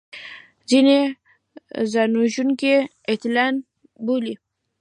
ځینې ځانوژونکي اتلان بولي